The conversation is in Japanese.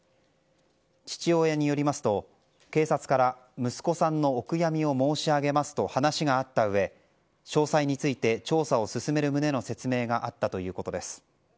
父親によりますと警察から息子さんのお悔やみを申し上げますと話があった上詳細について調査を進める旨の説明があったということです。